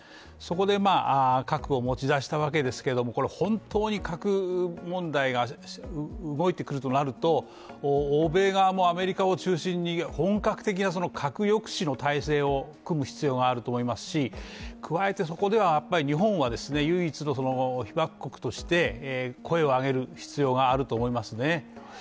そこで核を持ち出したわけですけれども、本当に核問題が動いてくるとなると欧米側もアメリカを中心に本格的に核抑止の体制を組む必要があると思いますし加えてそこではやっぱり日本は唯一の被爆国として声を上げる必要があると思いますね。